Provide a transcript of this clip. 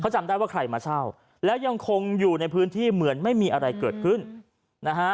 จำได้ว่าใครมาเช่าแล้วยังคงอยู่ในพื้นที่เหมือนไม่มีอะไรเกิดขึ้นนะฮะ